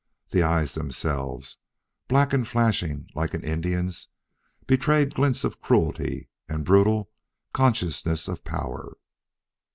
The eyes themselves, black and flashing, like an Indian's, betrayed glints of cruelty and brutal consciousness of power.